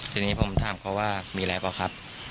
ทีนี้ผมถามเขาว่ามีอะไรเปล่าครับ